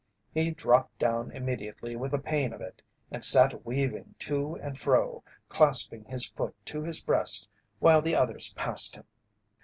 He dropped down immediately with the pain of it and sat weaving to and fro, clasping his foot to his breast while the others passed him.